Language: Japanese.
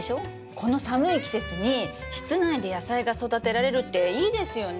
この寒い季節に室内で野菜が育てられるっていいですよね。